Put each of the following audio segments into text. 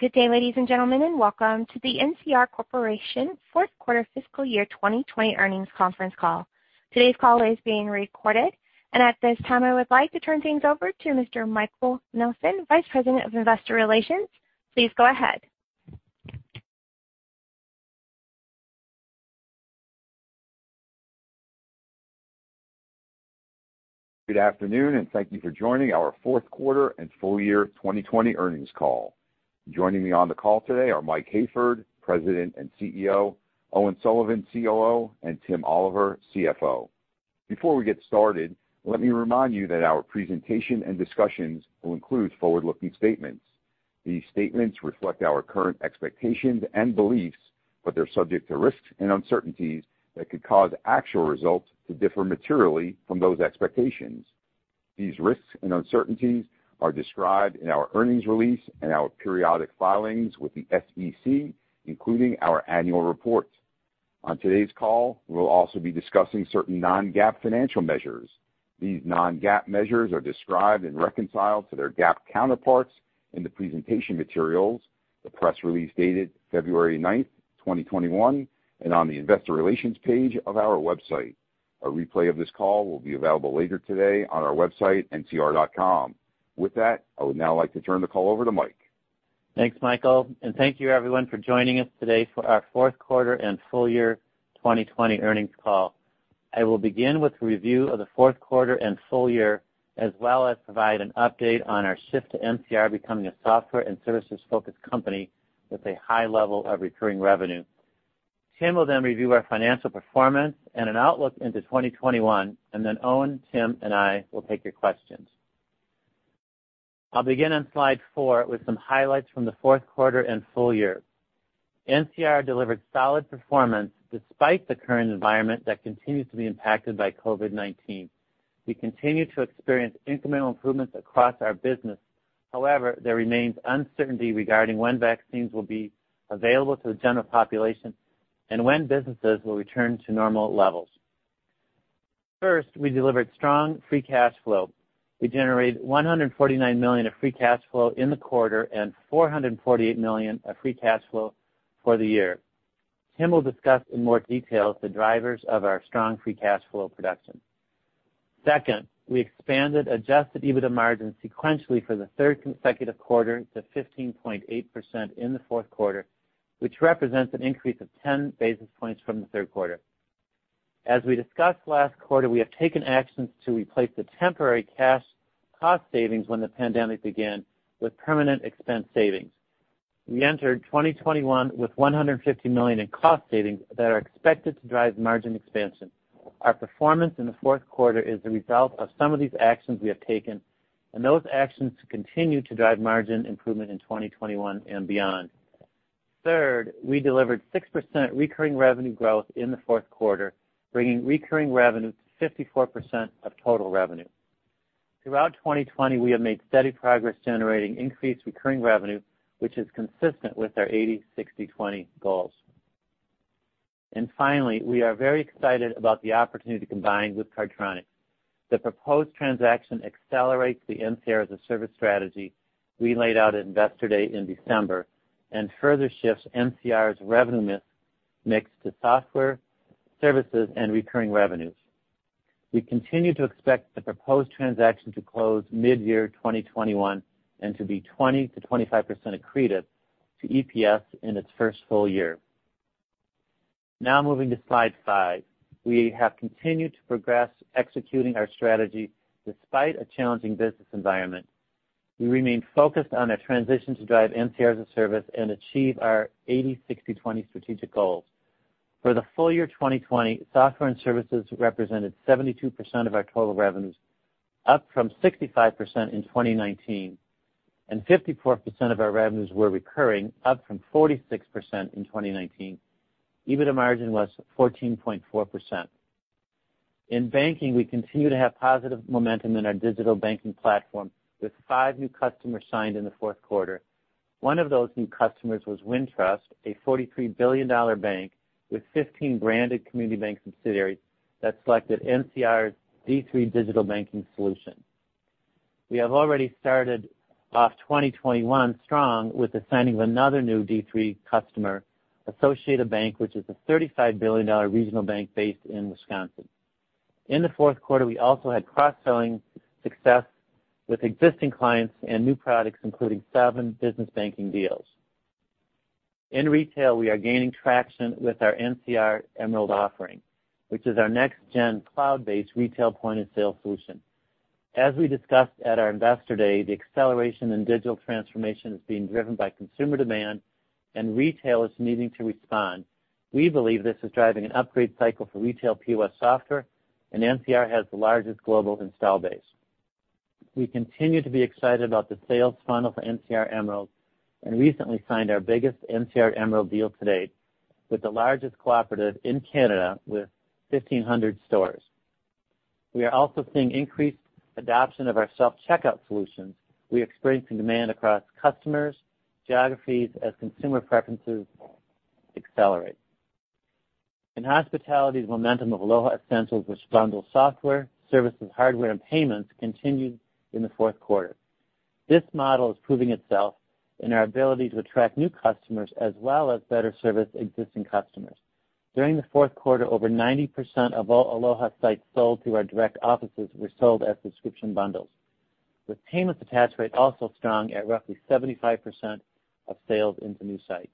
Good day, ladies and gentlemen, welcome to the NCR Corporation fourth quarter fiscal year 2020 earnings conference call. Today's call is being recorded. At this time, I would like to turn things over to Mr. Michael Nelson, Vice President of Investor Relations. Please go ahead. Good afternoon, thank you for joining our fourth quarter and full year 2020 earnings call. Joining me on the call today are Mike Hayford, President and CEO, Owen Sullivan, COO, and Tim Oliver, CFO. Before we get started, let me remind you that our presentation and discussions will include forward-looking statements. These statements reflect our current expectations and beliefs, but they're subject to risks and uncertainties that could cause actual results to differ materially from those expectations. These risks and uncertainties are described in our earnings release and our periodic filings with the SEC, including our annual report. On today's call, we will also be discussing certain non-GAAP financial measures. These non-GAAP measures are described and reconciled to their GAAP counterparts in the presentation materials, the press release dated February 9, 2021, and on the investor relations page of our website. A replay of this call will be available later today on our website, ncr.com. With that, I would now like to turn the call over to Mike. Thanks, Michael, and thank you everyone for joining us today for our fourth quarter and full year 2020 earnings call. I will begin with a review of the fourth quarter and full year, as well as provide an update on our shift to NCR becoming a software and services-focused company with a high level of recurring revenue. Tim will then review our financial performance and an outlook into 2021, and then Owen, Tim, and I will take your questions. I'll begin on slide four with some highlights from the fourth quarter and full year. NCR delivered solid performance despite the current environment that continues to be impacted by COVID-19. We continue to experience incremental improvements across our business. However, there remains uncertainty regarding when vaccines will be available to the general population and when businesses will return to normal levels. First, we delivered strong free cash flow. We generated $149 million of free cash flow in the quarter and $448 million of free cash flow for the year. Tim will discuss in more detail the drivers of our strong free cash flow production. Second, we expanded adjusted EBITDA margin sequentially for the third consecutive quarter to 15.8% in the fourth quarter, which represents an increase of 10 basis points from the third quarter. As we discussed last quarter, we have taken actions to replace the temporary cash cost savings when the pandemic began with permanent expense savings. We entered 2021 with $150 million in cost savings that are expected to drive margin expansion. Our performance in the fourth quarter is the result of some of these actions we have taken, and those actions continue to drive margin improvement in 2021 and beyond. Third, we delivered 6% recurring revenue growth in the fourth quarter, bringing recurring revenue to 54% of total revenue. Throughout 2020, we have made steady progress generating increased recurring revenue, which is consistent with our 80/60/20 goals. Finally, we are very excited about the opportunity to combine with Cardtronics. The proposed transaction accelerates the NCR-as-a-Service strategy we laid out at Investor Day in December and further shifts NCR's revenue mix to software, services, and recurring revenues. We continue to expect the proposed transaction to close mid-year 2021 and to be 20%-25% accretive to EPS in its first full year. Moving to slide five. We have continued to progress executing our strategy despite a challenging business environment. We remain focused on a transition to drive NCR-as-a-Service and achieve our 80/60/20 strategic goals. For the full year 2020, software and services represented 72% of our total revenues, up from 65% in 2019, and 54% of our revenues were recurring, up from 46% in 2019. EBITDA margin was 14.4%. In banking, we continue to have positive momentum in our digital banking platform with five new customers signed in the fourth quarter. One of those new customers was Wintrust, a $43 billion bank with 15 branded community bank subsidiaries that selected NCR's D3 digital banking solution. We have already started off 2021 strong with the signing of another new D3 customer, Associated Bank, which is a $35 billion regional bank based in Wisconsin. In the fourth quarter, we also had cross-selling success with existing clients and new products, including seven business banking deals. In retail, we are gaining traction with our NCR Emerald offering, which is our next-gen cloud-based retail point-of-sale solution. As we discussed at our Investor Day, the acceleration in digital transformation is being driven by consumer demand, and retail is needing to respond. We believe this is driving an upgrade cycle for retail POS software, and NCR has the largest global install base. We continue to be excited about the sales funnel for NCR Emerald and recently signed our biggest NCR Emerald deal to date with the largest cooperative in Canada with 1,500 stores. We are also seeing increased adoption of our self-checkout solutions. We are experiencing demand across customers, geographies as consumer preferences accelerate. In hospitality's momentum of Aloha Essentials, which bundles software, services, hardware, and payments, continued in the fourth quarter. This model is proving itself in our ability to attract new customers as well as better service existing customers. During the fourth quarter, over 90% of all Aloha sites sold through our direct offices were sold as subscription bundles, with payments attach rate also strong at roughly 75% of sales into new sites.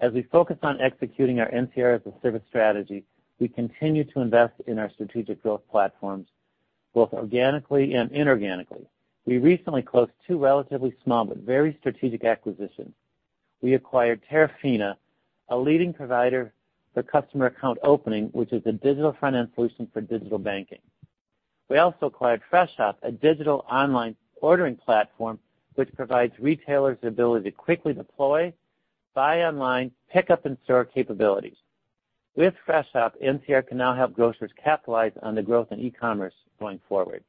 As we focus on executing our NCR-as-a-Service strategy, we continue to invest in our strategic growth platforms, both organically and inorganically. We recently closed two relatively small but very strategic acquisitions. We acquired Terafina, a leading provider for customer account opening, which is a digital finance solution for digital banking. We also acquired Freshop, a digital online ordering platform, which provides retailers the ability to quickly deploy buy online, pickup in store capabilities. With Freshop, NCR can now help grocers capitalize on the growth in e-commerce going forward.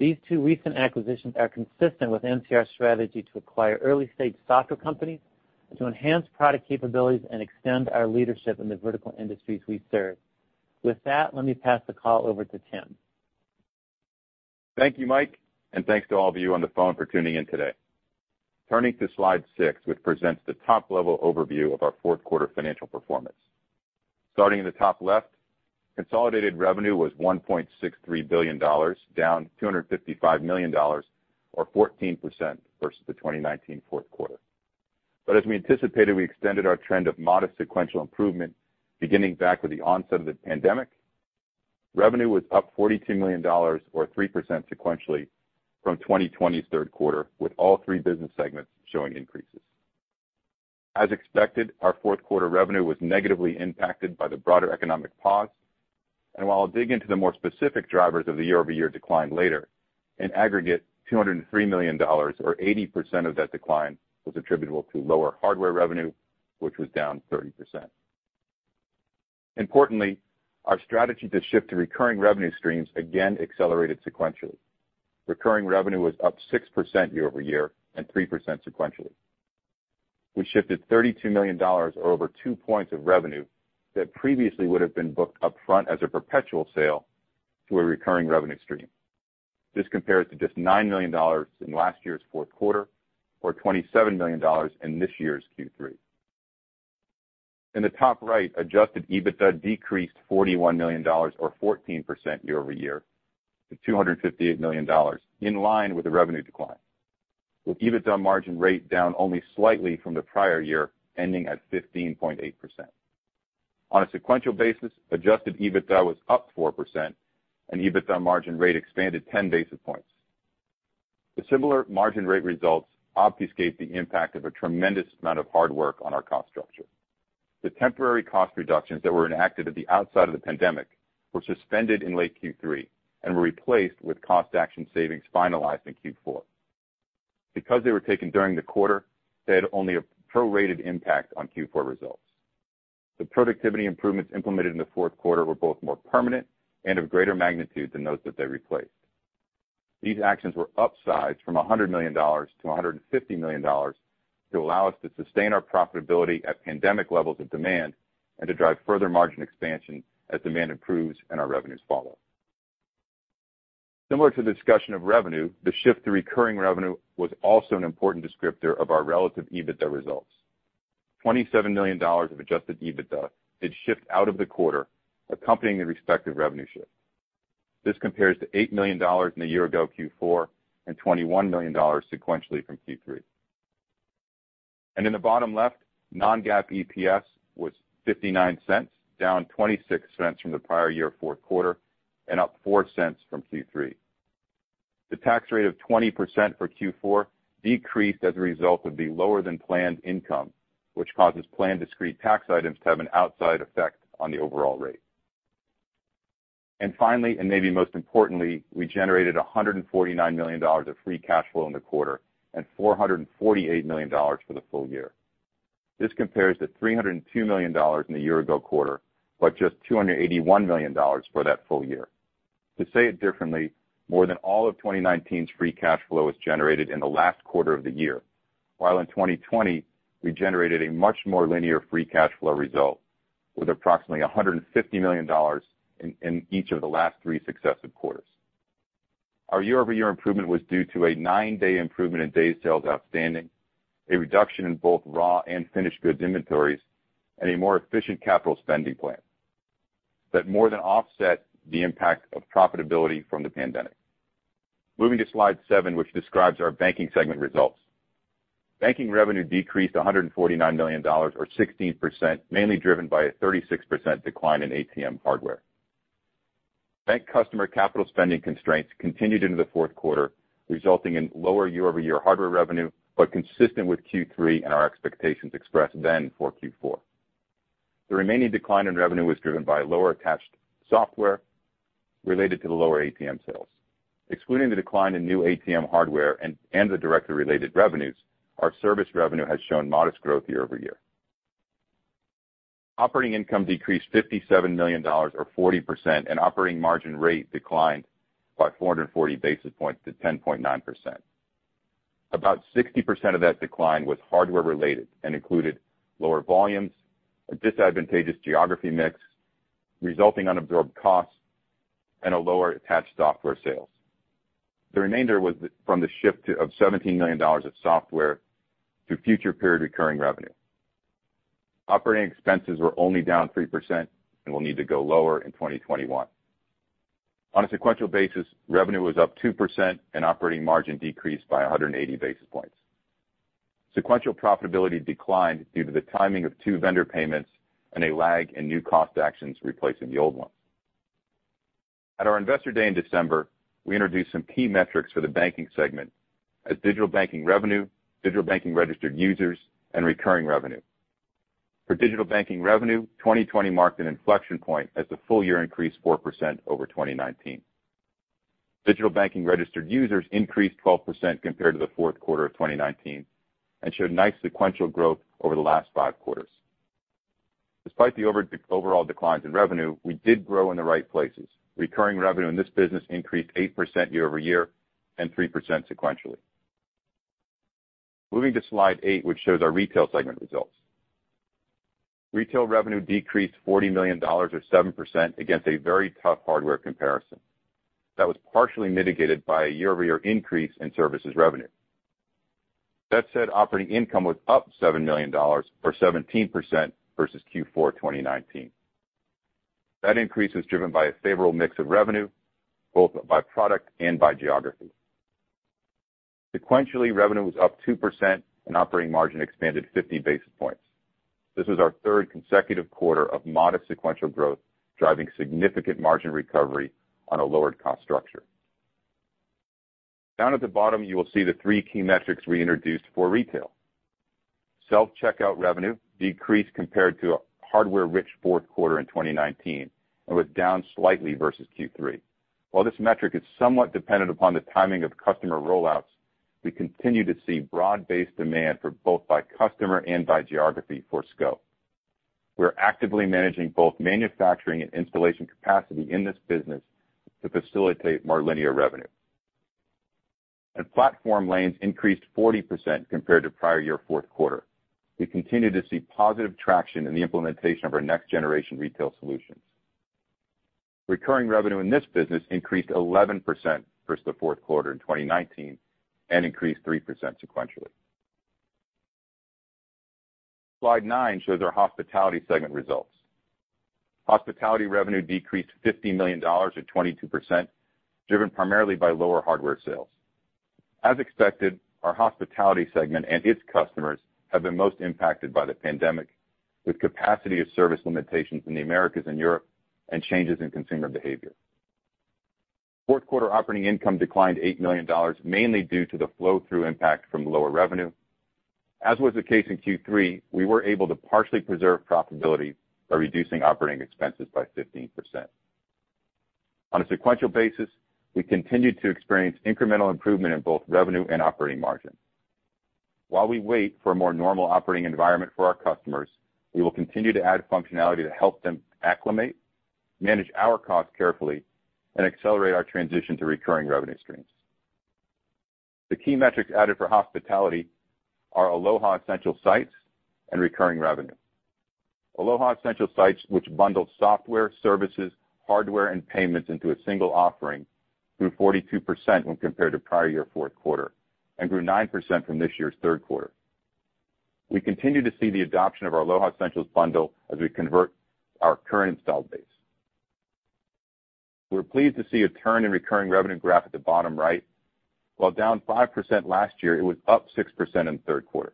These two recent acquisitions are consistent with NCR's strategy to acquire early-stage software companies to enhance product capabilities and extend our leadership in the vertical industries we serve. With that, let me pass the call over to Tim. Thank you, Mike, and thanks to all of you on the phone for tuning in today. Turning to slide six, which presents the top-level overview of our fourth quarter financial performance. Starting in the top left, consolidated revenue was $1.63 billion, down $255 million or 14% versus the 2019 fourth quarter. As we anticipated, we extended our trend of modest sequential improvement beginning back with the onset of the pandemic. Revenue was up $42 million or 3% sequentially from 2020's third quarter, with all three business segments showing increases. As expected, our fourth quarter revenue was negatively impacted by the broader economic pause, and while I'll dig into the more specific drivers of the year-over-year decline later, in aggregate, $203 million or 80% of that decline was attributable to lower hardware revenue, which was down 30%. Importantly, our strategy to shift to recurring revenue streams again accelerated sequentially. Recurring revenue was up 6% year-over-year and 3% sequentially. We shifted $32 million or over 2 points of revenue that previously would have been booked upfront as a perpetual sale to a recurring revenue stream. This compares to just $9 million in last year's fourth quarter or $27 million in this year's Q3. In the top right, adjusted EBITDA decreased $41 million or 14% year-over-year to $258 million, in line with the revenue decline, with EBITDA margin rate down only slightly from the prior year, ending at 15.8%. On a sequential basis, adjusted EBITDA was up 4% and EBITDA margin rate expanded 10 basis points. The similar margin rate results obfuscate the impact of a tremendous amount of hard work on our cost structure. The temporary cost reductions that were enacted at the outset of the pandemic were suspended in late Q3 and were replaced with cost action savings finalized in Q4. Because they were taken during the quarter, they had only a prorated impact on Q4 results. The productivity improvements implemented in the fourth quarter were both more permanent and of greater magnitude than those that they replaced. These actions were upsized from $100 million to $150 million to allow us to sustain our profitability at pandemic levels of demand and to drive further margin expansion as demand improves and our revenues follow. Similar to the discussion of revenue, the shift to recurring revenue was also an important descriptor of our relative EBITDA results. $27 million of adjusted EBITDA did shift out of the quarter accompanying the respective revenue shift. This compares to $8 million in the year-ago Q4 and $21 million sequentially from Q3. In the bottom left, non-GAAP EPS was $0.59, down $0.26 from the prior year fourth quarter and up $0.04 from Q3. The tax rate of 20% for Q4 decreased as a result of the lower than planned income, which causes planned discrete tax items to have an outside effect on the overall rate. Finally, and maybe most importantly, we generated $149 million of free cash flow in the quarter and $448 million for the full year. This compares to $302 million in the year-ago quarter, but just $281 million for that full year. To say it differently, more than all of 2019's free cash flow was generated in the last quarter of the year. In 2020, we generated a much more linear free cash flow result with approximately $150 million in each of the last three successive quarters. Our year-over-year improvement was due to a nine-day improvement in days sales outstanding, a reduction in both raw and finished goods inventories, and a more efficient capital spending plan that more than offset the impact of profitability from the pandemic. Moving to slide seven, which describes our banking segment results. Banking revenue decreased $149 million or 16%, mainly driven by a 36% decline in ATM hardware. Bank customer capital spending constraints continued into the fourth quarter, resulting in lower year-over-year hardware revenue, but consistent with Q3 and our expectations expressed then for Q4. The remaining decline in revenue was driven by lower attached software related to the lower ATM sales. Excluding the decline in new ATM hardware and the directly related revenues, our service revenue has shown modest growth year-over-year. Operating income decreased $57 million or 40%, and operating margin rate declined by 440 basis points to 10.9%. About 60% of that decline was hardware related and included lower volumes, a disadvantageous geography mix, resulting unabsorbed costs, and a lower attached software sales. The remainder was from the shift of $17 million of software to future period recurring revenue. Operating expenses were only down 3% and will need to go lower in 2021. On a sequential basis, revenue was up 2% and operating margin decreased by 180 basis points. Sequential profitability declined due to the timing of two vendor payments and a lag in new cost actions replacing the old ones. At our Investor Day in December, we introduced some key metrics for the banking segment as digital banking revenue, digital banking registered users, and recurring revenue. For digital banking revenue, 2020 marked an inflection point as the full year increased 4% over 2019. digital banking registered users increased 12% compared to the fourth quarter of 2019 and showed nice sequential growth over the last five quarters. Despite the overall declines in revenue, we did grow in the right places. Recurring revenue in this business increased 8% year-over-year and 3% sequentially. Moving to slide eight, which shows our retail segment results. Retail revenue decreased $40 million or 7% against a very tough hardware comparison. That was partially mitigated by a year-over-year increase in services revenue. That said, operating income was up $7 million or 17% versus Q4 2019. That increase was driven by a favorable mix of revenue, both by product and by geography. Sequentially, revenue was up 2% and operating margin expanded 50 basis points. This is our third consecutive quarter of modest sequential growth, driving significant margin recovery on a lowered cost structure. Down at the bottom, you will see the three key metrics we introduced for retail. self-checkout revenue decreased compared to a hardware-rich fourth quarter in 2019 and was down slightly versus Q3. While this metric is somewhat dependent upon the timing of customer rollouts, we continue to see broad-based demand for both by customer and by geography for SCO. We're actively managing both manufacturing and installation capacity in this business to facilitate more linear revenue. Platform lanes increased 40% compared to prior year fourth quarter. We continue to see positive traction in the implementation of our next-generation retail solutions. Recurring revenue in this business increased 11% versus the fourth quarter in 2019 and increased 3% sequentially. Slide nine shows our Hospitality segment results. Hospitality revenue decreased $50 million or 22%, driven primarily by lower hardware sales. As expected, our Hospitality segment and its customers have been most impacted by the pandemic with capacity of service limitations in the Americas and Europe and changes in consumer behavior. Fourth quarter operating income declined $8 million mainly due to the flow-through impact from lower revenue. As was the case in Q3, we were able to partially preserve profitability by reducing operating expenses by 15%. On a sequential basis, we continued to experience incremental improvement in both revenue and operating margin. While we wait for a more normal operating environment for our customers, we will continue to add functionality to help them acclimate, manage our costs carefully, and accelerate our transition to recurring revenue streams. The key metrics added for hospitality are Aloha Essentials sites and recurring revenue. Aloha Essentials sites, which bundles software, services, hardware, and payments into a single offering, grew 42% when compared to prior year fourth quarter, and grew 9% from this year's third quarter. We continue to see the adoption of our Aloha Essentials bundle as we convert our current install base. We're pleased to see a turn in recurring revenue graph at the bottom right. While down 5% last year, it was up 6% in the third quarter.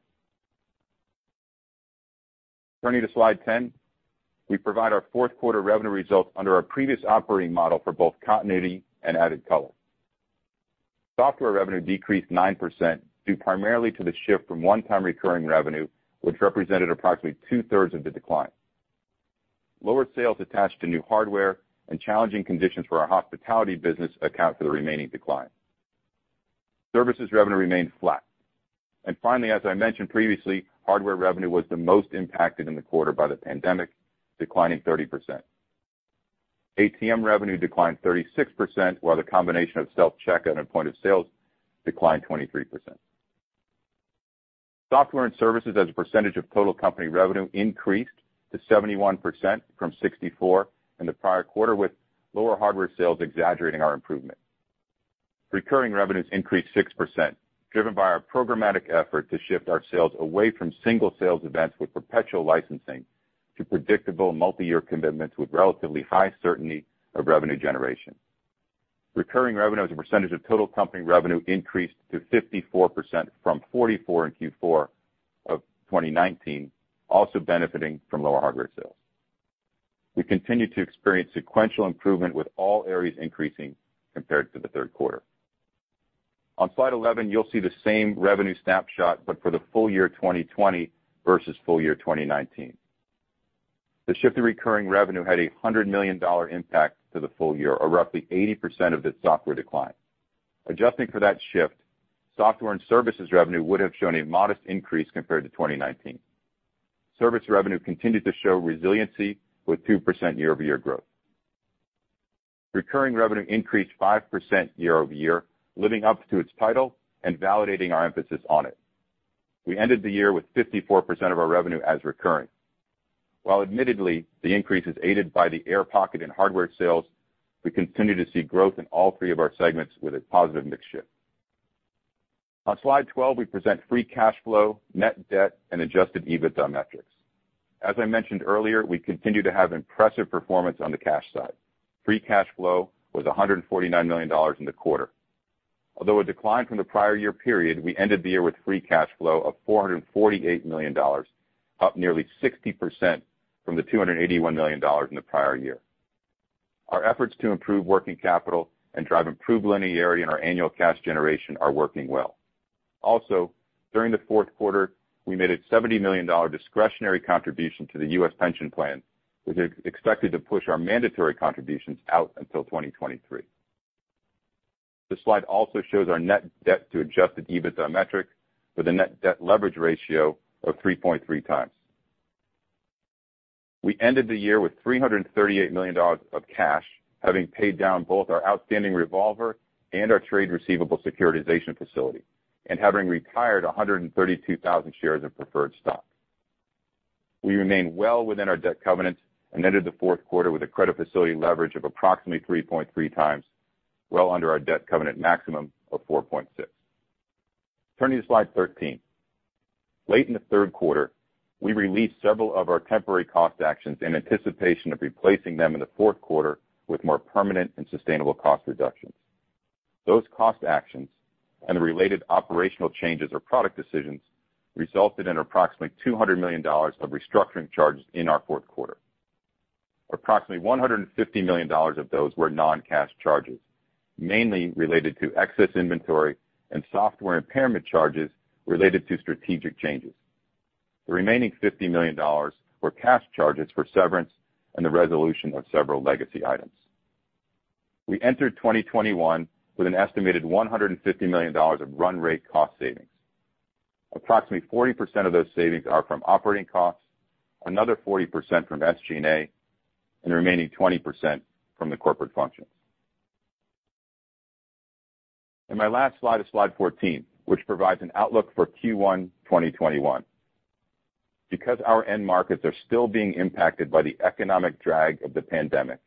Turning to slide 10, we provide our fourth quarter revenue results under our previous operating model for both continuity and added color. Software revenue decreased 9% due primarily to the shift from onetime recurring revenue, which represented approximately 2/3 of the decline. Lower sales attached to new hardware and challenging conditions for our hospitality business account for the remaining decline. Services revenue remained flat. Finally, as I mentioned previously, hardware revenue was the most impacted in the quarter by the pandemic, declining 30%. ATM revenue declined 36%, while the combination of self-checkout and point of sale declined 23%. Software and services as a percentage of total company revenue increased to 71% from 64% in the prior quarter, with lower hardware sales exaggerating our improvement. Recurring revenues increased 6%, driven by our programmatic effort to shift our sales away from single sales events with perpetual licensing to predictable multi-year commitments with relatively high certainty of revenue generation. Recurring revenue as a percentage of total company revenue increased to 54% from 44% in Q4 of 2019, also benefiting from lower hardware sales. We continue to experience sequential improvement with all areas increasing compared to the third quarter. On slide 11, you'll see the same revenue snapshot, but for the full year 2020 versus full year 2019. The shift to recurring revenue had a $100 million impact to the full year, or roughly 80% of the software decline. Adjusting for that shift, software and services revenue would have shown a modest increase compared to 2019. Service revenue continued to show resiliency with 2% year-over-year growth. Recurring revenue increased 5% year-over-year, living up to its title and validating our emphasis on it. We ended the year with 54% of our revenue as recurring. While admittedly, the increase is aided by the air pocket in hardware sales, we continue to see growth in all three of our segments with a positive mix shift. On slide 12, we present free cash flow, net debt, and adjusted EBITDA metrics. As I mentioned earlier, we continue to have impressive performance on the cash side. Free cash flow was $149 million in the quarter. Although a decline from the prior year period, we ended the year with free cash flow of $448 million, up nearly 60% from the $281 million in the prior year. Our efforts to improve working capital and drive improved linearity in our annual cash generation are working well. Also, during the fourth quarter, we made a $70 million discretionary contribution to the U.S. pension plan, which is expected to push our mandatory contributions out until 2023. This slide also shows our net debt to adjusted EBITDA metric with a net debt leverage ratio of 3.3x. We ended the year with $338 million of cash, having paid down both our outstanding revolver and our trade receivable securitization facility, and having retired 132,000 shares of preferred stock. We remain well within our debt covenant and ended the fourth quarter with a credit facility leverage of approximately 3.3x, well under our debt covenant maximum of 4.6x. Turning to slide 13. Late in the third quarter, we released several of our temporary cost actions in anticipation of replacing them in the fourth quarter with more permanent and sustainable cost reductions. Those cost actions and the related operational changes or product decisions resulted in approximately $200 million of restructuring charges in our fourth quarter. Approximately $150 million of those were non-cash charges, mainly related to excess inventory and software impairment charges related to strategic changes. The remaining $50 million were cash charges for severance and the resolution of several legacy items. We entered 2021 with an estimated $150 million of run rate cost savings. Approximately 40% of those savings are from operating costs, another 40% from SG&A, and the remaining 20% from the corporate functions. My last slide is slide 14, which provides an outlook for Q1 2021. Because our end markets are still being impacted by the economic drag of the pandemic,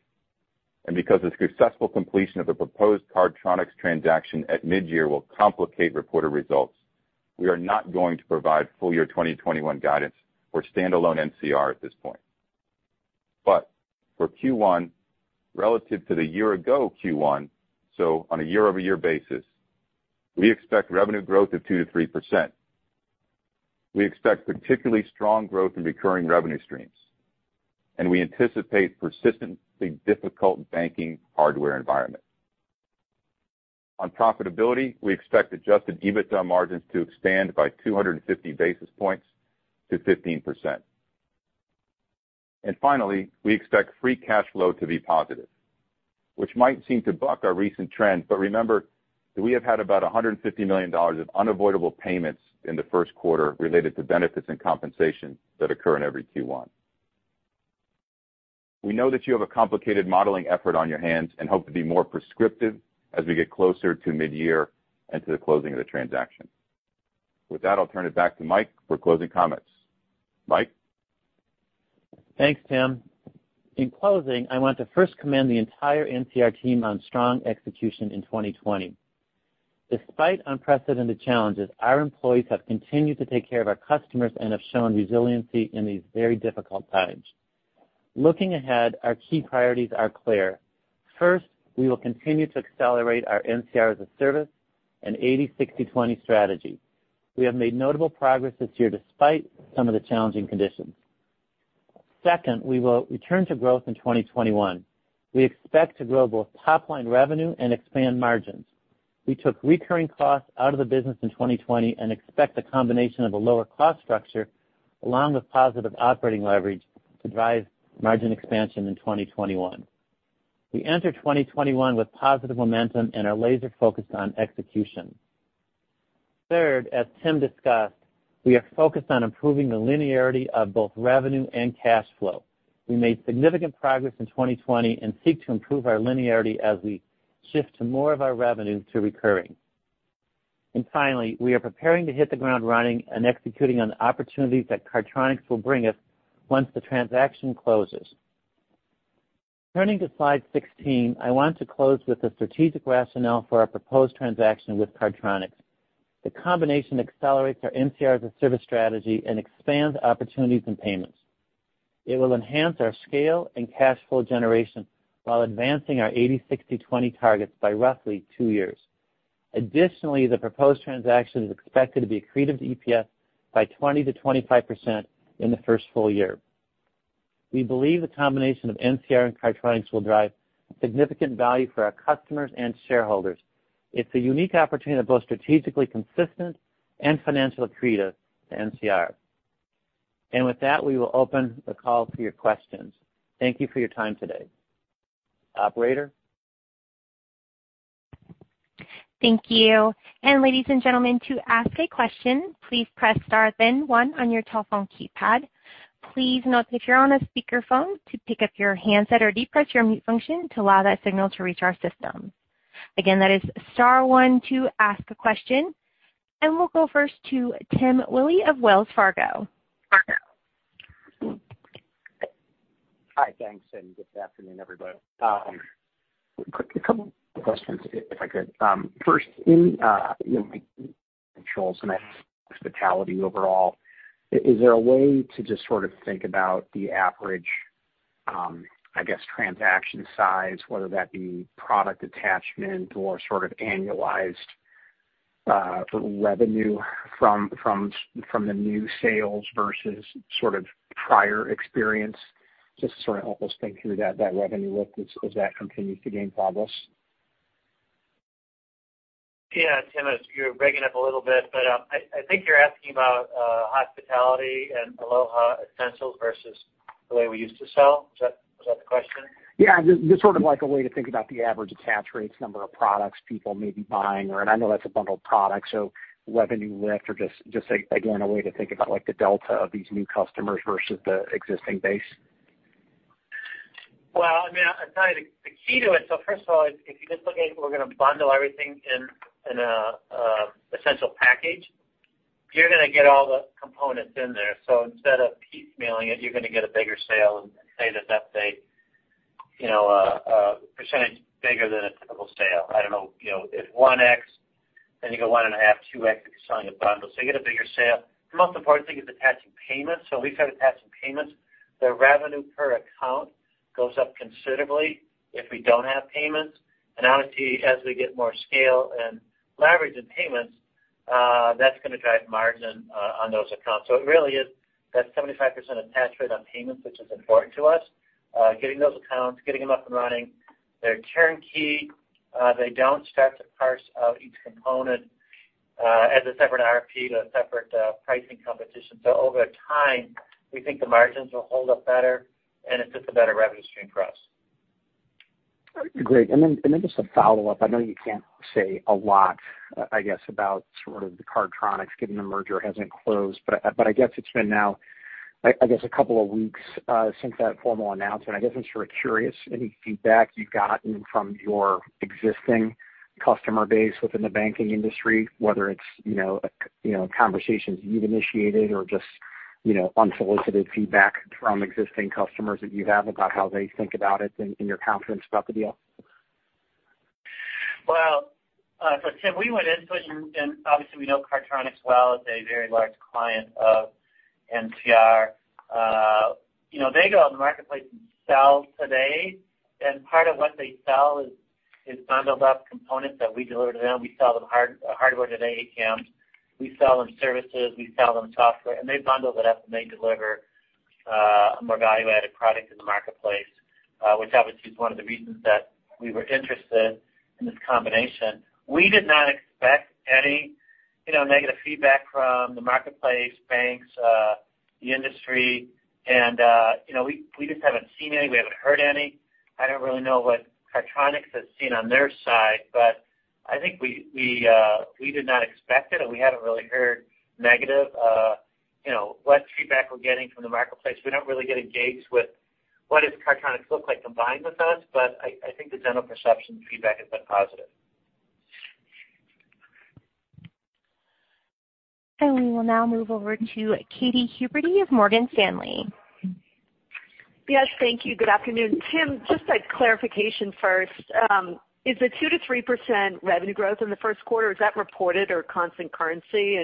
and because the successful completion of the proposed Cardtronics transaction at mid-year will complicate reported results, we are not going to provide full-year 2021 guidance or standalone NCR at this point. For Q1, relative to the year-ago Q1, so on a year-over-year basis, we expect revenue growth of 2%-3%. We expect particularly strong growth in recurring revenue streams, and we anticipate persistently difficult banking hardware environment. On profitability, we expect adjusted EBITDA margins to expand by 250 basis points to 15%. Finally, we expect free cash flow to be positive, which might seem to buck our recent trend, but remember that we have had about $150 million of unavoidable payments in the first quarter related to benefits and compensation that occur in every Q1. We know that you have a complicated modeling effort on your hands and hope to be more prescriptive as we get closer to mid-year and to the closing of the transaction. With that, I'll turn it back to Mike for closing comments. Mike? Thanks, Tim. In closing, I want to first commend the entire NCR team on strong execution in 2020. Despite unprecedented challenges, our employees have continued to take care of our customers and have shown resiliency in these very difficult times. Looking ahead, our key priorities are clear. First, we will continue to accelerate our NCR-as-a-Service and 80/60/20 strategy. We have made notable progress this year despite some of the challenging conditions. Second, we will return to growth in 2021. We expect to grow both top-line revenue and expand margins. We took recurring costs out of the business in 2020 and expect the combination of a lower cost structure along with positive operating leverage to drive margin expansion in 2021. We enter 2021 with positive momentum and are laser-focused on execution. Third, as Tim discussed, we are focused on improving the linearity of both revenue and cash flow. We made significant progress in 2020. We seek to improve our linearity as we shift to more of our revenue to recurring. Finally, we are preparing to hit the ground running and executing on the opportunities that Cardtronics will bring us once the transaction closes. Turning to slide 16, I want to close with the strategic rationale for our proposed transaction with Cardtronics. The combination accelerates our NCR-as-a-Service strategy and expands opportunities and payments. It will enhance our scale and cash flow generation while advancing our 80/60/20 targets by roughly two years. Additionally, the proposed transaction is expected to be accretive to EPS by 20%-25% in the first full year. We believe the combination of NCR and Cardtronics will drive significant value for our customers and shareholders. It's a unique opportunity that both strategically consistent and financially accretive to NCR. With that, we will open the call for your questions. Thank you for your time today. Operator? Thank you, and ladies and gentlemen, to ask a question, please press star then one on your telephone keypad. Please note that if you are on speakerphone to pickup your handset or depress your mute function to allow your signal to reach our system. Again that is star one to ask a question. We'll go first to Tim Willi of Wells Fargo. Hi. Thanks, good afternoon, everybody. A couple of questions if I could. First, in controls and hospitality overall, is there a way to just think about the average, I guess, transaction size, whether that be product attachment or annualized revenue from the new sales versus prior experience? Just to help us think through that revenue lift as that continues to gain progress. Yeah. Tim, you're breaking up a little bit, but I think you're asking about hospitality and Aloha Essentials versus the way we used to sell. Is that the question? Yeah. Just like a way to think about the average attach rates, number of products people may be buying or, and I know that's a bundled product, so revenue lift or just, again, a way to think about the delta of these new customers versus the existing base. Well, I'll tell you the key to it. First of all, if you just look at it, we're going to bundle everything in an essential package. You're going to get all the components in there. Instead of piecemealing it, you're going to get a bigger sale and say that that's a percentage bigger than a typical sale. I don't know, if 1x, then you go 1.5x, 2x if you're selling a bundle. You get a bigger sale. The most important thing is attaching payments. When we start attaching payments, the revenue per account goes up considerably if we don't have payments. Obviously, as we get more scale and leverage in payments, that's going to drive margin on those accounts. It really is that 75% attach rate on payments, which is important to us. Getting those accounts, getting them up and running. They're turnkey. They don't start to parse out each component as a separate RFP to a separate pricing competition. Over time, we think the margins will hold up better, and it's just a better revenue stream for us. Great. just a follow-up. I know you can't say a lot, I guess about sort of the Cardtronics given the merger hasn't closed, but I guess it's been now, I guess a couple of weeks since that formal announcement. I guess I'm sort of curious any feedback you've gotten from your existing customer base within the banking industry, whether it's conversations you've initiated or just unsolicited feedback from existing customers that you have about how they think about it and your confidence about the deal. Tim, we went into it and obviously we know Cardtronics well as a very large client of NCR. They go out in the marketplace and sell today, and part of what they sell is bundled up components that we deliver to them. We sell them hardware today, ATMs, we sell them services, we sell them software, and they bundle it up, and they deliver a more value-added product in the marketplace, which obviously is one of the reasons that we were interested in this combination. We did not expect any negative feedback from the marketplace, banks, the industry, and we just haven't seen any, we haven't heard any. I don't really know what Cardtronics has seen on their side, but I think we did not expect it, and we haven't really heard negative. What feedback we're getting from the marketplace, we don't really get engaged with what does Cardtronics look like combined with us, but I think the general perception feedback has been positive. We will now move over to Katy Huberty of Morgan Stanley. Yes, thank you. Good afternoon. Tim, just a clarification first. Is the 2%-3% revenue growth in the first quarter reported or constant currency?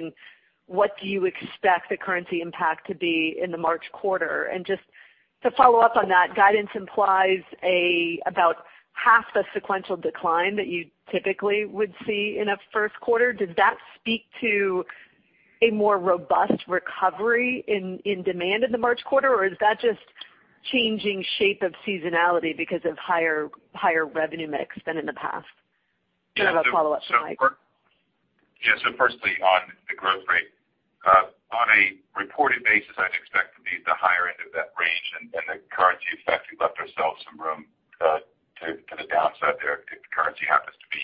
What do you expect the currency impact to be in the March quarter? Just to follow up on that, guidance implies about half the sequential decline that you typically would see in a first quarter. Does that speak to a more robust recovery in demand in the March quarter, or is that just changing shape of seasonality because of higher revenue mix than in the past? I have a follow-up for Mike. Firstly on the growth rate. On a reported basis, I'd expect to be at the higher end of that range and the currency effect, we've left ourselves some room to the downside there if the currency happens to be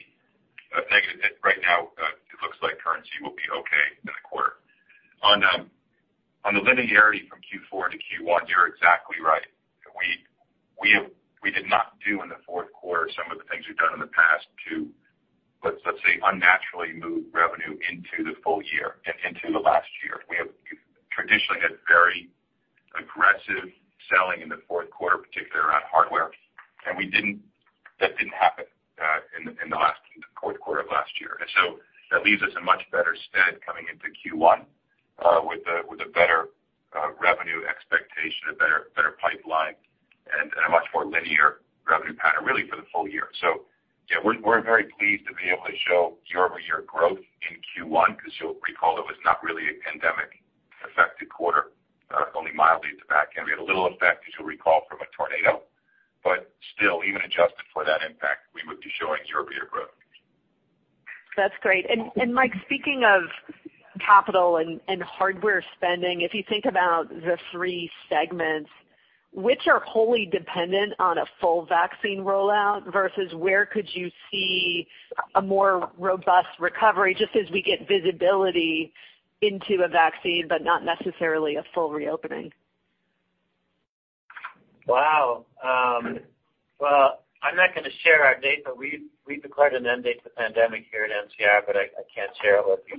a negative. Right now, it looks like currency will be okay in the quarter. On the linearity I'm not going to share our data. We've declared an end date to the pandemic here at NCR. I can't share it with you.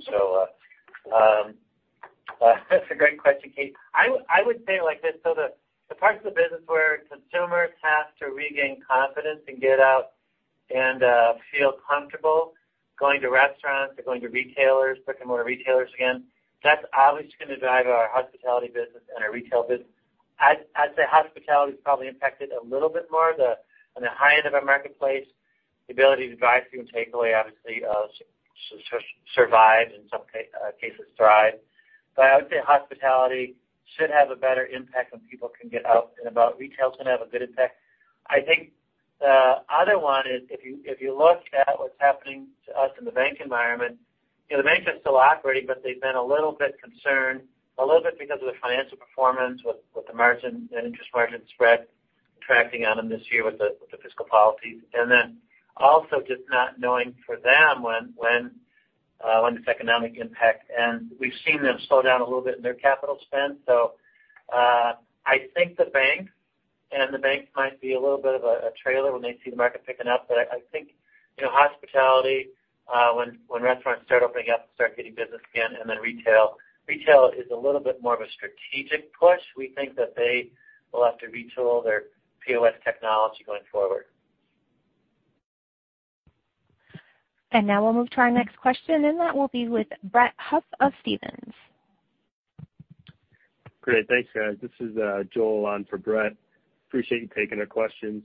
That's a great question, Katy. I would say it like this, the parts of the business where consumers have to regain confidence and get out and feel comfortable going to restaurants or going to retailers, brick and mortar retailers again, that's obviously going to drive our hospitality business and our retail business. I'd say hospitality is probably impacted a little bit more on the high end of our marketplace, the ability to drive through and takeaway obviously survives, in some cases thrive. I would say hospitality should have a better impact when people can get out and about. Retail is going to have a good impact. I think the other one is if you look at what's happening to us in the bank environment, the banks are still operating, but they've been a little bit concerned, a little bit because of the financial performance with the margin and interest margin spread tracking on them this year with the fiscal policy. We've seen them slow down a little bit in their capital spend. I think the banks, and the banks might be a little bit of a trailer when they see the market picking up. I think hospitality when restaurants start opening up and start getting business again. Retail is a little bit more of a strategic push. We think that they will have to retool their POS technology going forward. Now we'll move to our next question, and that will be with Brett Huff of Stephens. Great. Thanks, guys. This is Joel on for Brett. Appreciate you taking our questions.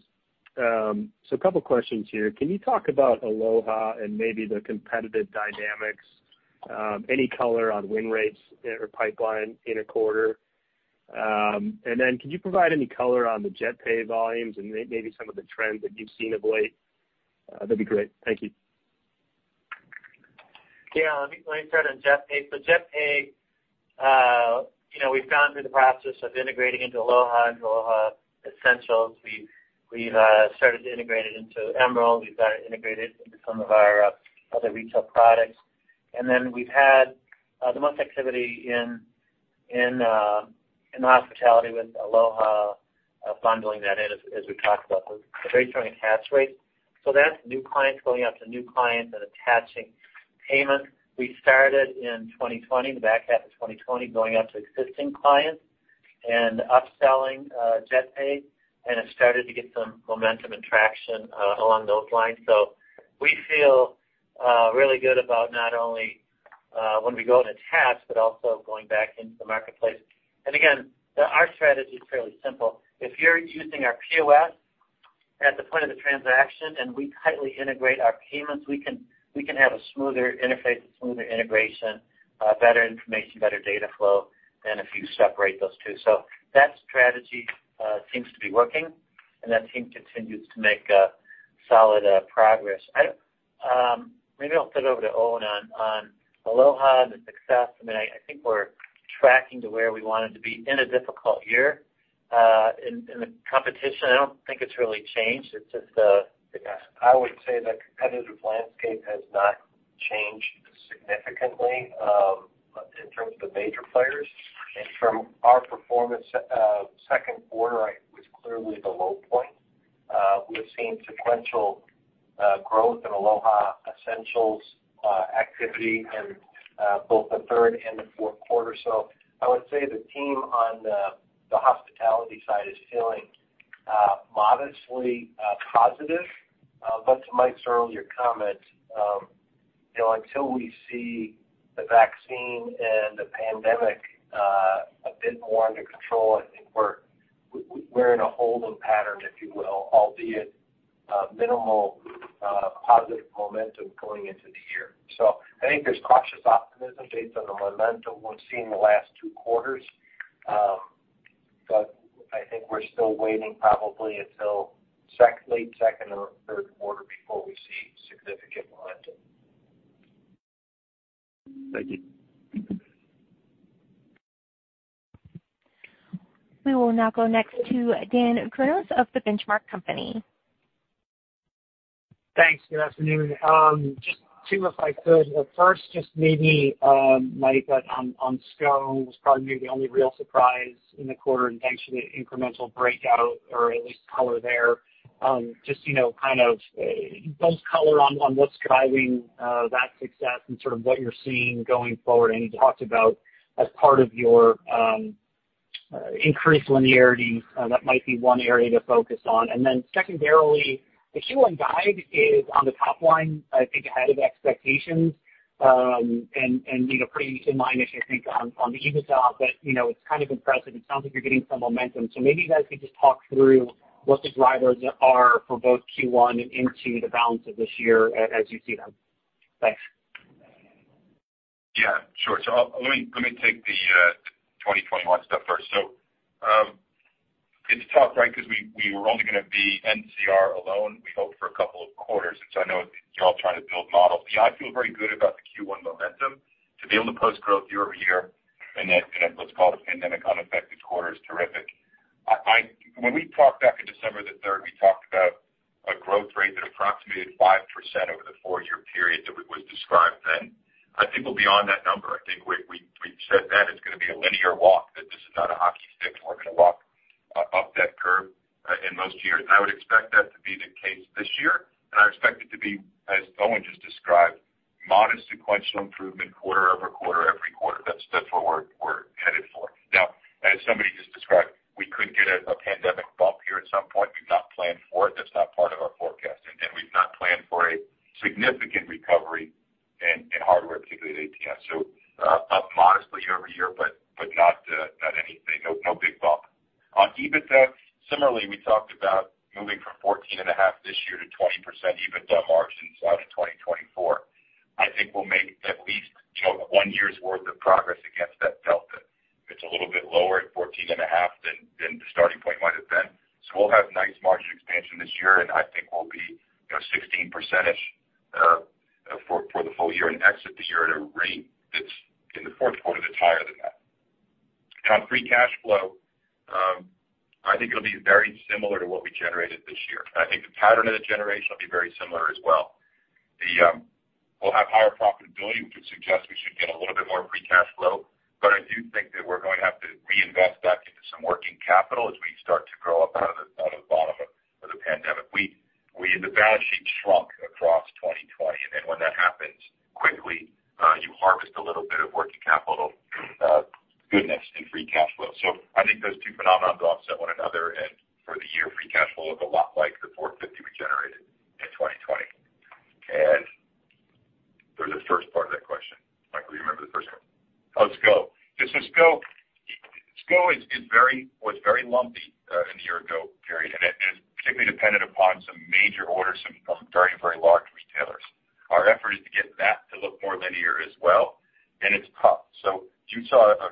A couple questions here. Can you talk about Aloha and maybe the competitive dynamics, any color on win rates or pipeline in a quarter? Can you provide any color on the JetPay volumes and maybe some of the trends that you've seen of late? That'd be great. Thank you. Yeah. Let me start on JetPay. JetPay, we've gone through the process of integrating into Aloha, into Aloha Essentials. We've started to integrate it into Emerald. We've got it integrated into some of our other retail products. Then we've had the most activity in hospitality with Aloha bundling that in, as we talked about, the very strong attach rates. That's new clients going out to new clients and attaching payment. We started in 2020, the back half of 2020, going out to existing clients and upselling JetPay, and it started to get some momentum and traction along those lines. We feel really good about not only when we go and attach, but also going back into the marketplace. Again, our strategy is fairly simple. If you're using our POS at the point of the transaction and we tightly integrate our payments, we can have a smoother interface, a smoother integration, better information, better data flow than if you separate those two. That strategy seems to be working, and that team continues to make solid progress. Maybe I'll turn it over to Owen on Aloha and the success. I think we're tracking to where we wanted to be in a difficult year. In the competition, I don't think it's really changed. I would say the competitive landscape has not changed significantly in terms of the major players. From our performance, second quarter was clearly the low point. We've seen sequential growth in Aloha Essentials activity in both the third and the fourth quarter. I would say the team on the hospitality side is feeling modestly positive. To Mike's earlier comment, until we see the vaccine and the pandemic a bit more under control, I think we're in a hold pattern, if you will, albeit minimal positive momentum going into the year. I think there's cautious optimism based on the momentum we've seen in the last two quarters. I think we're still waiting probably until late second or third quarter before we see significant momentum. Thank you. We will now go next to Dan Kurnos of The Benchmark Company. Thanks. Good afternoon. Just two, if I could. The first, just maybe, Mike, on SCO, it was probably maybe the only real surprise in the quarter. Thanks for the incremental breakout or at least color there. Just both color on what's driving that success and sort of what you're seeing going forward. I know you talked about as part of your increased linearity, that might be one area to focus on. Secondarily, the Q1 guide is on the top line, I think ahead of expectations, and pretty in line, I should think, on the EBITDA. It's kind of impressive. It sounds like you're getting some momentum. Maybe you guys could just talk through what the drivers are for both Q1 and into the balance of this year as you see them. Thanks. Yeah, sure. Let me take the 2021 stuff first. It's tough, right? Because we were only going to be NCR alone, we hope for a couple of quarters since I know you're all trying to build models. Yeah, I feel very good about the Q1 momentum. To be able to post growth year-over-year in what's called a pandemic unaffected quarter is terrific. When we talked back in December the 3rd, we talked about a growth rate that approximated 5% over the four-year period that was described then. I think we'll be on that number. I think we said that it's going to be a linear walk, that this is not a hockey stick. We're going to walk up that curve in most years, and I would expect that to be the case this year, and I expect it to be, as Owen just described, modest sequential improvement quarter-over-quarter every quarter. That's what we're headed for. Now, as somebody just described, we could get a pandemic bump here at some point. We've not planned for it. That's not part of our forecast. We've not planned for a significant recovery in hardware, particularly at ATMs. Up modestly year-over-year, but not anything, no big bump. On EBITDA, similarly, we talked about moving from 14.5% this year to 20% EBITDA margins out of 2024. I think we'll make at least one year's worth of progress against that delta. It's a little bit lower at 14.5% than the starting point might have been. We'll have nice margin expansion this year, and I think we'll be 16%-ish for the full year and exit the year at a rate that's in the fourth quarter that's higher than that. On free cash flow, I think it'll be very similar to what we generated this year. I think the pattern of the generation will be very similar as well. We'll have higher profitability, which would suggest we should get a little bit more free cash flow. I do think that we're going to have to reinvest back into some working capital as we start to grow up out of the bottom of the pandemic. The balance sheet shrunk across 2020, and then when that happens quickly, you harvest a little bit of working capital goodness in free cash flow. I think those two phenomenons offset one another, and for the year, free cash flow look a lot like the $450 million we generated in 2020. There's a first part of that question. Michael, do you remember the first part? Oh, SCO. SCO was very lumpy in the year-ago period, and it is particularly dependent upon some major orders from some very large retailers. Our effort is to get that to look more linear as well, and it's tough. You saw a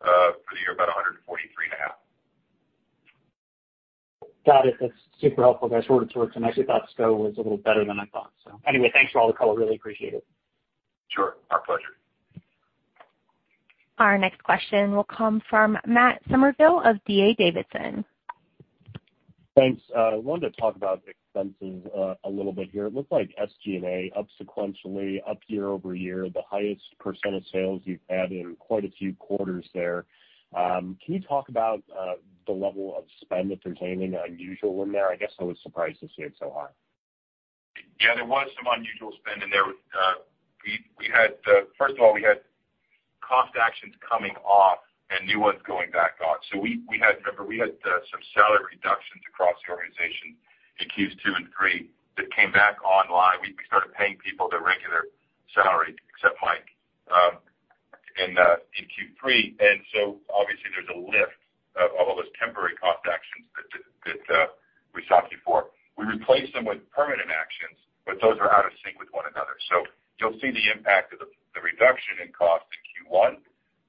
for the year, about 143.5 million. Got it. That's super helpful, guys. Short and to it. I actually thought SCO was a little better than I thought. Anyway, thanks for all the color. Really appreciate it. Sure. Our pleasure. Our next question will come from Matt Summerville of D.A. Davidson. Thanks. I wanted to talk about expenses a little bit here. It looks like SG&A up sequentially, up year-over-year, the highest percentage of sales you've had in quite a few quarters there. Can you talk about the level of spend, if there's anything unusual in there? I guess I was surprised to see it so high. Yeah, there was some unusual spend in there. First of all, we had cost actions coming off and new ones going back on. Remember, we had some salary reductions across the organization in Q2 and three that came back online. We started paying people their regular salary, except Mike, in Q3. Obviously, there's a lift of all those temporary cost actions that we stopped Q4. We replaced them with permanent actions, but those are out of sync with one another. You'll see the impact of the reduction in cost in Q1,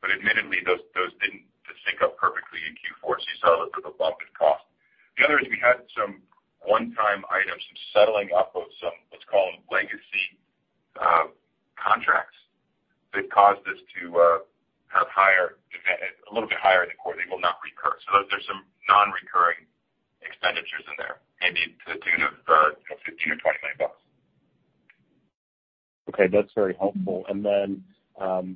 but admittedly, those didn't sync up perfectly in Q4, you saw a little bit of a bump in cost. The other is we had some one-time items, some settling up of some, let's call them legacy contracts that caused us to have a little bit higher in the quarter. They will not recur. There's some non-recurring expenditures in there, maybe to the tune of $15 million or $20 million. Okay, that's very helpful.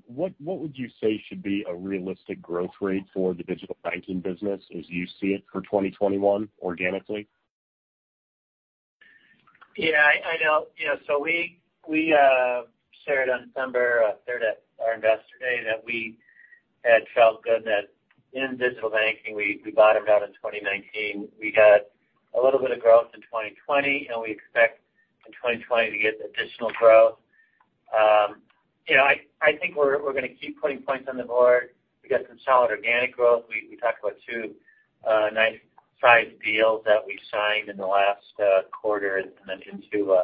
What would you say should be a realistic growth rate for the digital banking business as you see it for 2021 organically? Yeah, I know. We shared on December 3rd at our Investor Day that we had felt good that in digital banking, we bottomed out in 2019. We got a little bit of growth in 2020, we expect in 2020 to get additional growth. I think we're going to keep putting points on the board. We got some solid organic growth. We talked about two nice size deals that we signed in the last quarter and mentioned two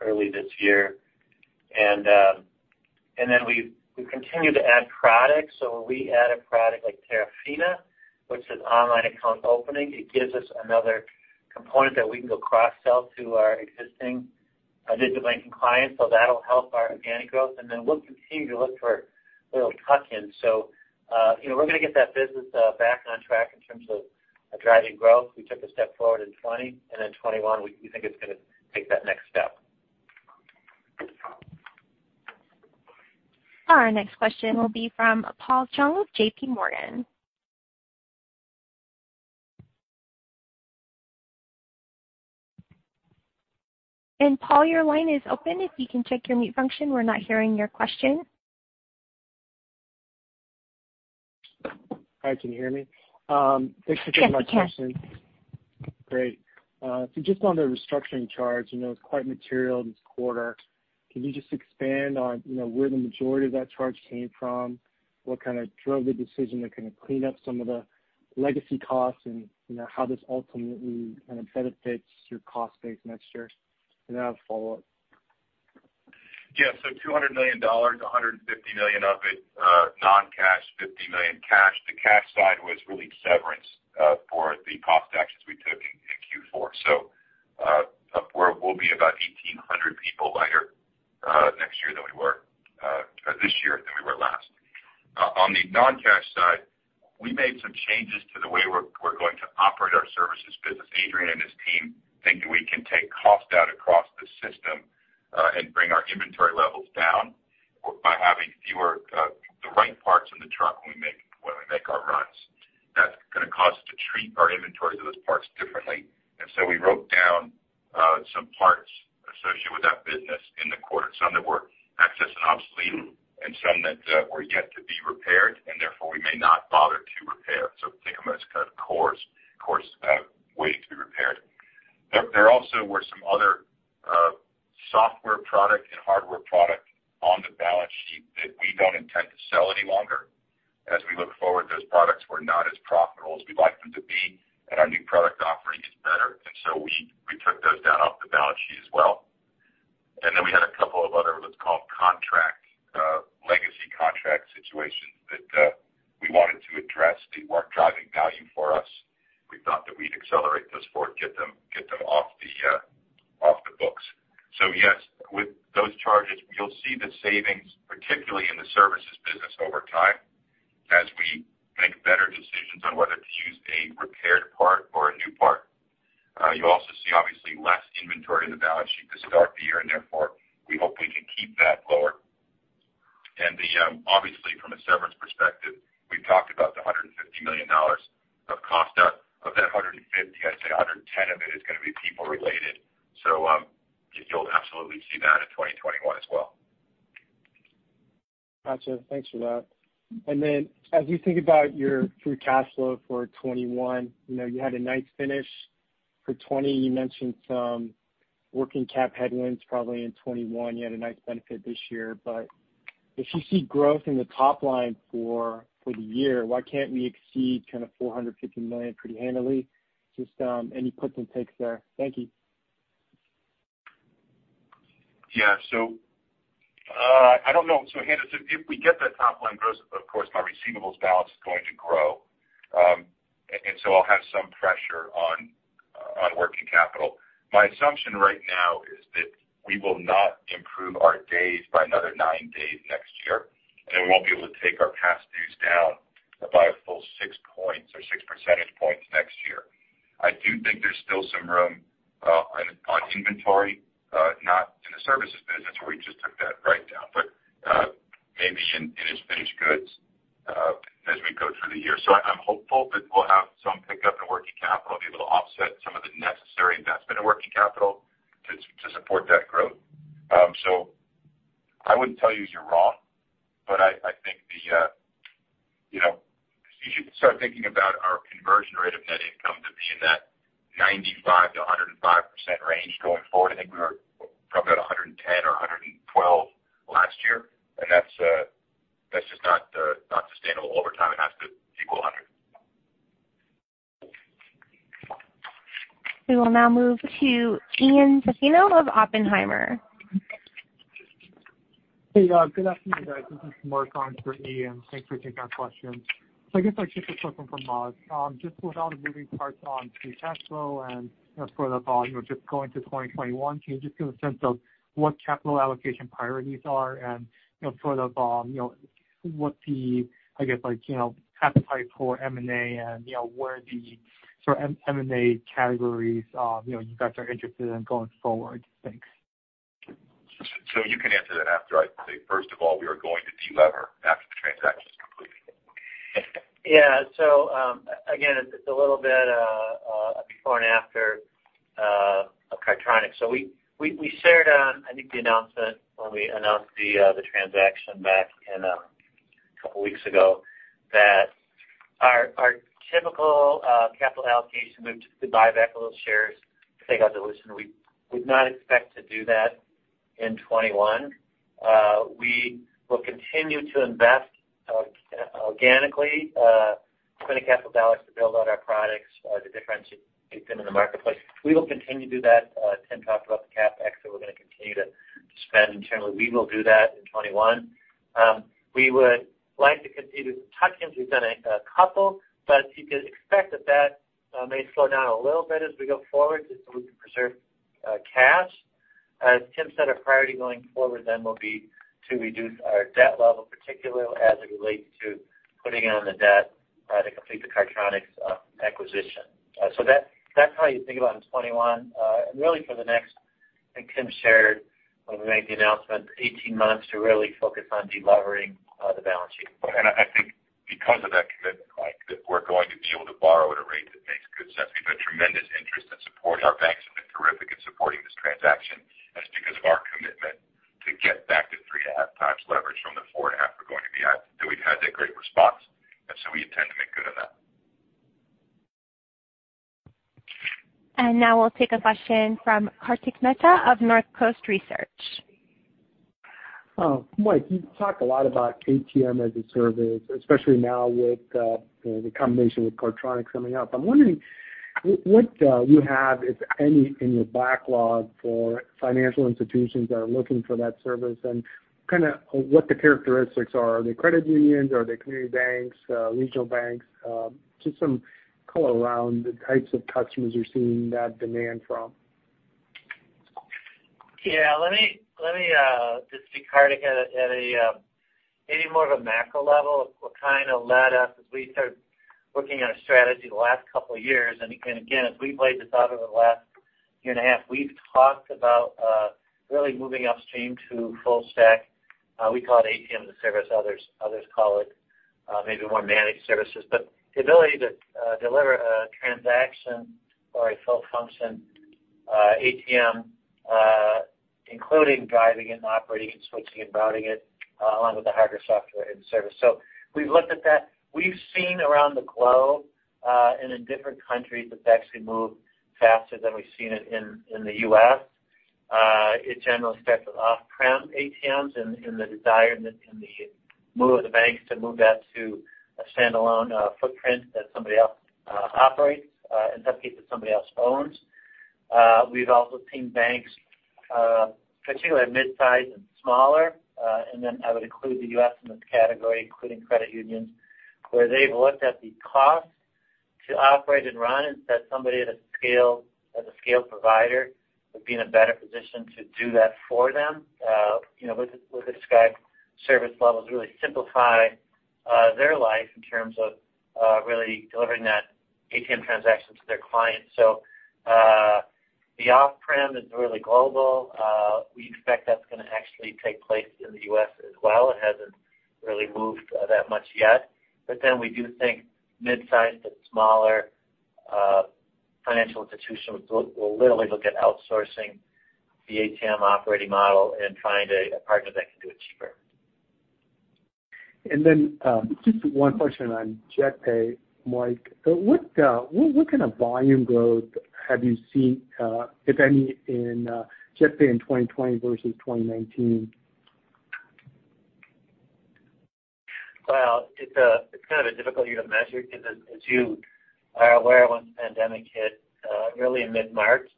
early this year. We continue to add products. When we add a product like Terafina, which is online account opening, it gives us another component that we can go cross-sell to our existing digital banking clients. That'll help our organic growth. We'll continue to look for little tuck-ins. We're going to get that business back on track in terms of driving growth. We took a step forward in 2020, and then 2021, we think it's going to take that next step. Our next question will be from Paul Chung, JP Morgan. Paul, your line is open. If you can check your mute function, we're not hearing your question. Hi, can you hear me? Yes, we can. Great. Just on the restructuring charge, it was quite material this quarter. Can you just expand on where the majority of that charge came from? What kind of drove the decision to kind of clean up some of the legacy costs and how this ultimately kind of benefits your cost base next year? I have a follow-up. $200 million, $150 million of it non-cash, $50 million cash. The cash side was really severance for the cost actions we took in Q4. We'll be about 1,800 people lighter this year than we were last. On the non-cash side, we made some changes to the way we're going to operate our services business. Adrian and his team think we can take cost out across the system and bring our inventory levels down by having fewer the right parts in the truck when we make our runs. That's going to cause us to treat our inventory of those parts differently. We wrote down some parts associated with that business in the quarter. Some that were excess and obsolete and some that were yet to be repaired, and therefore we may not bother to repair. Think of them as kind of cores waiting to be repaired. There also were some other software product and hardware product on the balance sheet that we don't intend to sell any longer. As we look forward, those products were not as profitable as we'd like them to be, and our new product offering is better. We took those down off the balance sheet as well. We had a couple of other what's called legacy contract situations that we wanted to address that weren't driving value for us. We thought that we'd accelerate those forward, get them off the books. Yes, with those charges, you'll see the savings, particularly in the services business over time, as we make better decisions on whether to choose a repaired part or a new part. You also see, obviously, less inventory in the balance sheet to start the year. Therefore, we hope we can keep that lower. Obviously, from a severance perspective, we've talked about the $150 million of cost out. Of that $150 million, I'd say $110 million of it is going to be people related. You'll absolutely see that in 2021 as well. Got you. Thanks for that. As you think about your free cash flow for 2021, you had a nice finish for 2020. You mentioned some working cap headwinds probably in 2021. You had a nice benefit this year. If you see growth in the top line for the year, why can't we exceed kind of $450 million pretty handily? Just any puts and takes there. Thank you. I don't know. If we get that top-line growth, of course my receivables balance is going to grow. I'll have some pressure on working capital. My assumption right now is that we will not improve our days by another nine days next year, and we won't be able to take our past dues down by a full 6 points or 6 percentage points next year. I do think there's still some room on inventory, not in the services business where we just took that write-down, but maybe in his finished goods as we go through the year. I'm hopeful that we'll have some pickup in working capital to be able to offset some of the necessary investment in working capital to support that growth. I wouldn't tell you you're wrong, but I think you should start thinking about our conversion rate of net income to be in that 95%-105% range going forward. I think we were probably about 110% or 112% last year, and that's just not sustainable over time. It has to equal 100%. We will now move to Ian Zaffino of Oppenheimer. Hey, good afternoon, guys. This is Mark on for Ian. Thanks for taking our questions. I guess I'll kick this off from Mark. Just with all the moving parts on free cash flow and sort of just going to 2021, can you just give a sense of what capital allocation priorities are and sort of what the, I guess like, appetite for M&A and where the sort of M&A categories you guys are interested in going forward? Thanks. You can answer that after I say, first of all, we are going to de-lever after the transaction is completed. Yeah. Again, it's a little bit a before and after. We shared on, I think the announcement when we announced the transaction back a couple weeks ago, that our typical capital allocation, we would just buy back a little shares to take out dilution. We would not expect to do that in 2021. We will continue to invest organically, putting capital dollars to build out our products, the differentiation in the marketplace. We will continue to do that. Tim talked about the CapEx. We're going to continue to spend internally. We will do that in 2021. We would like to continue with the tuck-ins. We've done a couple, but you could expect that that may slow down a little bit as we go forward just so we can preserve cash. As Tim said, our priority going forward then will be to reduce our debt level, particularly as it relates to putting on the debt to complete the Cardtronics acquisition. That's how you think about in 2021, and really for the next, I think Tim shared when we made the announcement, 18 months to really focus on deleveraging the balance sheet. I think because of that commitment, Mike, that we're going to be able to borrow at a rate that makes good sense. We've had tremendous interest and support. Our banks have been terrific in supporting this transaction. That's because of our commitment to get back to 3.5x leverage from the 4.5x we're going to be at. We've had that great response, and so we intend to make good on that. Now we'll take a question from Kartik Mehta of Northcoast Research. Mike, you've talked a lot about ATM-as-a-Service, especially now with the combination with Cardtronics coming up. I'm wondering what you have, if any, in your backlog for financial institutions that are looking for that service and what the characteristics are. Are they credit unions? Are they community banks, regional banks? Just some color around the types of customers you're seeing that demand from. Yeah. Let me just give Kartik at a maybe more of a macro level what led us as we started working on a strategy the last couple of years. Again, as we've laid this out over the last year and a half, we've talked about really moving upstream to full stack. We call it ATM-as-a-Service. Others call it maybe more managed services. The ability to deliver a transaction or a full function ATM including driving it and operating it and switching and routing it along with the hardware, software, and service. We've looked at that. We've seen around the globe and in different countries that that's been moved faster than we've seen it in the U.S. It generally starts with off-prem ATMs and the desire in the move of the banks to move that to a standalone footprint that somebody else operates, in some cases somebody else owns. We've also seen banks, particularly mid-size and smaller, and then I would include the U.S. in this category, including credit unions, where they've looked at the cost to operate and run and said somebody at a scale provider would be in a better position to do that for them with the described service levels really simplify their life in terms of really delivering that ATM transaction to their clients. The off-prem is really global. We expect that's going to actually take place in the U.S. as well. It hasn't really moved that much yet. We do think midsize to smaller financial institutions will literally look at outsourcing the ATM operating model and find a partner that can do it cheaper. Just one question on JetPay, Mike. What kind of volume growth have you seen, if any, in JetPay in 2020 versus 2019? It's kind of a difficulty to measure because as you are aware, when the pandemic hit early- and mid-March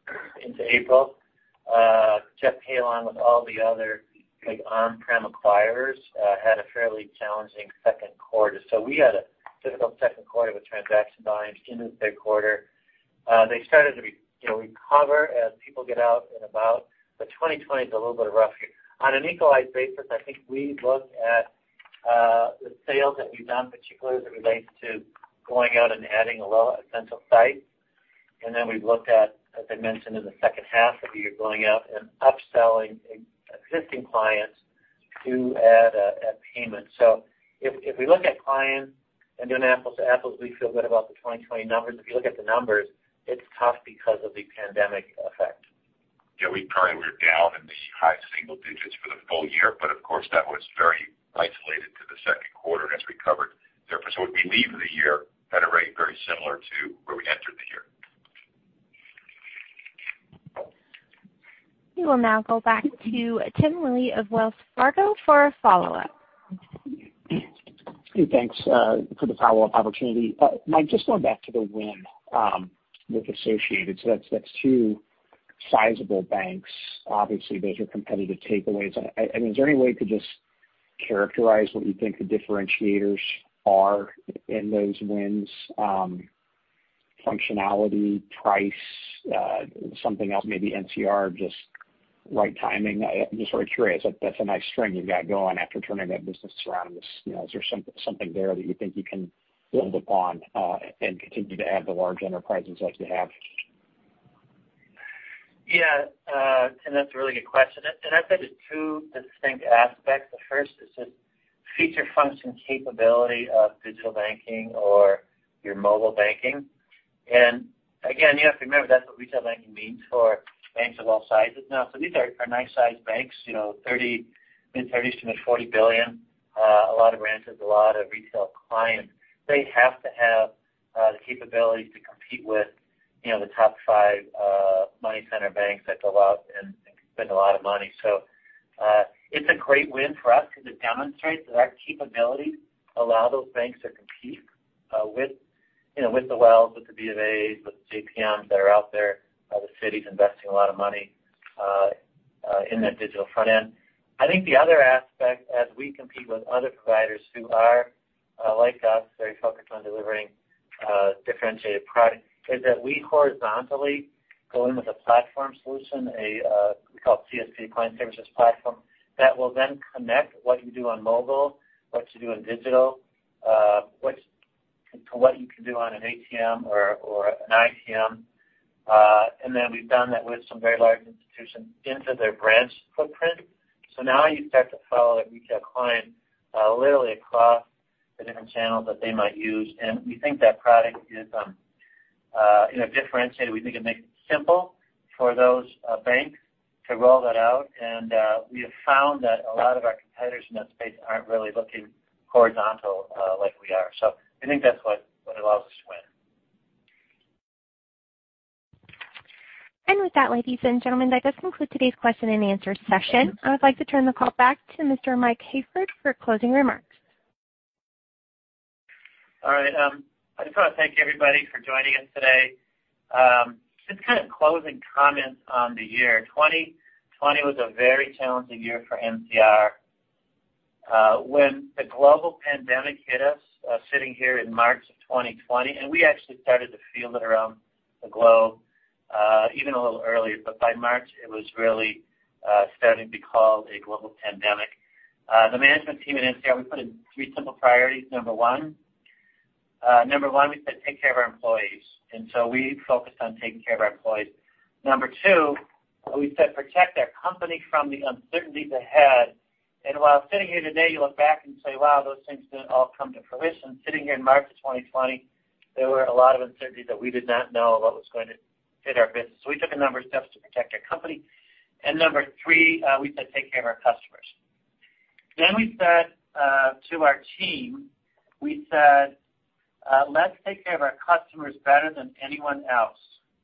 into April JetPay, along with all the other big on-prem acquirers had a fairly challenging second quarter. We had a difficult second quarter with transaction volumes in the third quarter. They started to recover as people get out and about, but 2020 is a little bit rough here. On an equalized basis, I think we look at the sales that we've done, particularly as it relates to going out and adding a central site. We've looked at, as I mentioned in the second half of the year, going out and upselling existing clients to add a payment. If we look at clients and doing apples to apples, we feel good about the 2020 numbers. If you look at the numbers, it's tough because of the pandemic effect. Yeah, we probably were down in the high single digits for the full year, but of course, that was very isolated to the second quarter and has recovered thereafter. We leave the year at a rate very similar to where we entered the year. We will now go back to Tim Willi of Wells Fargo for a follow-up. Hey, thanks for the follow-up opportunity. Mike, just going back to the win with Associated. That's two sizable banks. Obviously, those are competitive takeaways. Is there any way you could just characterize what you think the differentiators are in those wins? Functionality, price something else, maybe NCR, just right timing? I'm just very curious. That's a nice string you've got going after turning that business around. Is there something there that you think you can build upon and continue to add the large enterprises like you have? Yeah. Tim, that's a really good question. I'd say there's two distinct aspects. The first is just feature function capability of digital banking or your mobile banking. Again, you have to remember that's what retail banking means for banks of all sizes now. These are nice-sized banks, mid $30s to mid $40 billion. A lot of branches, a lot of retail clients. They have to have the capabilities to compete with the top five money center banks that go out and spend a lot of money. It's a great win for us because it demonstrates that our capabilities allow those banks to compete with the Wells, with the BofA, with the JPMs that are out there, the Citi investing a lot of money in that digital front end. I think the other aspect, as we compete with other providers who are like us, very focused on delivering differentiated product, is that we horizontally go in with a platform solution, we call it CSP, Channel Services Platform, that will then connect what you do on mobile, what you do in digital, to what you can do on an ATM or an ITM. Then we've done that with some very large institutions into their branch footprint. Now you start to follow the retail client literally across the different channels that they might use. We think that product is differentiated. We think it makes it simple for those banks to roll that out. We have found that a lot of our competitors in that space aren't really looking horizontal like we are. I think that's what allows us to win. With that, ladies and gentlemen, that does conclude today's question and answer session. I would like to turn the call back to Mr. Mike Hayford for closing remarks. All right. I just want to thank everybody for joining us today. Just closing comments on the year. 2020 was a very challenging year for NCR. When the global pandemic hit us sitting here in March of 2020, and we actually started to feel it around the globe even a little earlier. By March it was really starting to be called a global pandemic. The management team at NCR, we put in three simple priorities. Number one, we said take care of our employees. We focused on taking care of our employees. Number two, we said protect our company from the uncertainties ahead. While sitting here today, you look back and say, "Wow, those things didn't all come to fruition." Sitting here in March of 2020, there were a lot of uncertainties that we did not know what was going to hit our business. We took a number of steps to protect our company. Number three, we said take care of our customers. We said to our team, "Let's take care of our customers better than anyone else.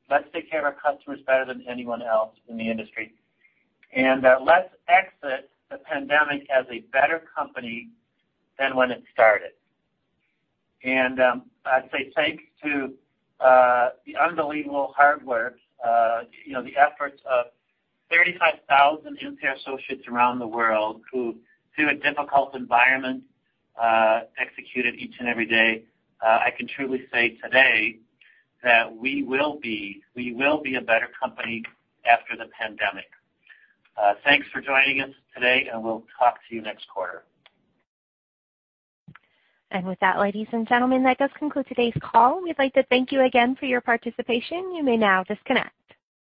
Let's take care of our customers better than anyone else in the industry. Let's exit the pandemic as a better company than when it started." I'd say, thanks to the unbelievable hard work, the efforts of 35,000 NCR associates around the world who, through a difficult environment executed each and every day, I can truly say today that we will be a better company after the pandemic. Thanks for joining us today, and we'll talk to you next quarter. With that, ladies and gentlemen, that does conclude today's call. We'd like to thank you again for your participation. You may now disconnect.